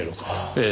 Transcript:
ええ。